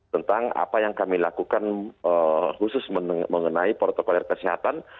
tentang apa yang kami lakukan khusus mengenai protokol kesehatan